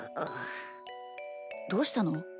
どうしたの？